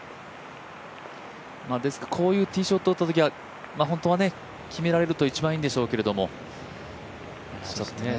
ですから、こういうティーショットを打ったときは、本当は決められると一番いいんでしょうけれども。